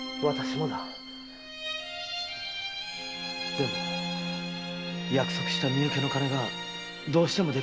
でも約束した身請けの金がどうしても出来なくて。